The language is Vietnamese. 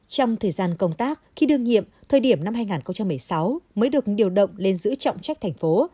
trong thời gian công tác khi đương nhiệm thời điểm năm hai nghìn một mươi sáu mới được điều động lên giữ trọng trách thành phố